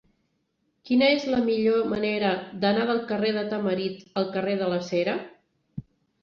Quina és la millor manera d'anar del carrer de Tamarit al carrer de la Cera?